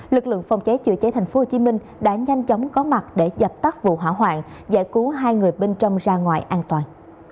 lực lượng phòng cháy chữa cháy tp hcm đã nhanh chóng có mặt để dập tắt vụ hỏa hoạn giải cứu hai người bên trong ra ngoài an toàn